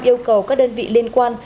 yêu cầu các đơn vị liên quan